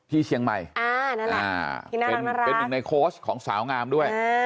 ที่เชียงใหม่เป็นหนึ่งในโค้ชของสาวงามด้วย